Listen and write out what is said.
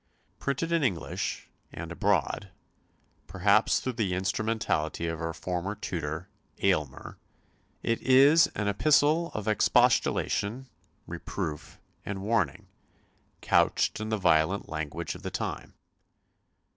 Printed in English, and abroad, perhaps through the instrumentality of her former tutor, Aylmer, it is an epistle of expostulation, reproof, and warning, couched in the violent language of the time.